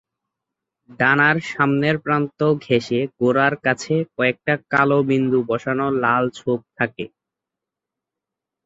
ডানার সামনের প্রান্ত ঘেঁষে গোড়ার কাছে কয়েকটা কালো বিন্দু বসানো লাল ছোপ থাকে।